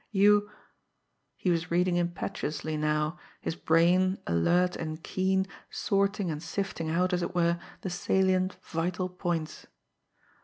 You " He was reading impetuously now, his brain, alert and keen, sorting and sifting out, as it were, the salient, vital points